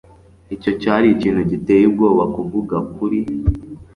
Icyo cyari ikintu giteye ubwoba kuvuga kuri .